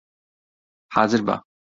حازر بە!